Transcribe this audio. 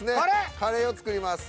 カレーを作ります。